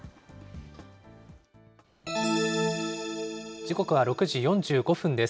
時刻は６時４５分です。